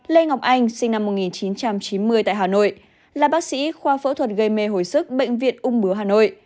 lê ngọc anh sinh năm một nghìn chín trăm chín mươi tại hà nội là bác sĩ khoa phẫu thuật gây mê hồi sức bệnh viện ung bướu hà nội